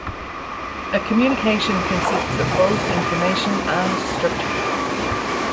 A communication consists of both information and structure.